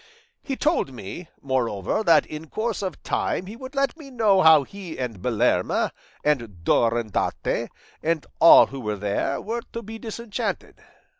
He told me, moreover, that in course of time he would let me know how he and Belerma, and Durandarte, and all who were there, were to be disenchanted.